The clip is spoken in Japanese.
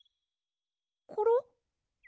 コロ？